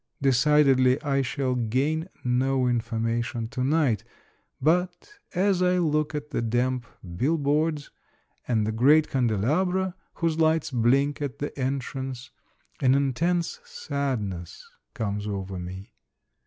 Decidedly I shall gain no information to night, but, as I look at the damp bill boards and the great candelabra whose lights blink at the entrance, an intense sadness comes over me.